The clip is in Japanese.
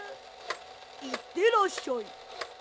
いってらっしゃい。